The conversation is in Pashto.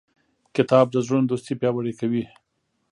کتاب د زړونو دوستي پیاوړې کوي.